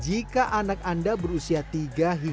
jika anak anda berusia tiga hingga enam belas tahun